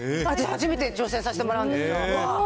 初めて挑戦させてもらうんですよ。